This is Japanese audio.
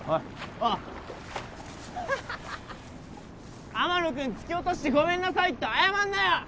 ああ天野君突き落としてごめんなさいって謝んなよ